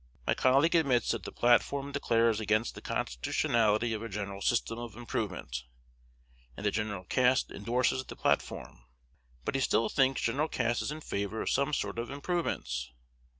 My colleague admits that the platform declares against the constitutionality of a general system of improvement, and that Gen. Cass indorses the platform; but he still thinks Gen. Cass is in favor of some sort of improvements.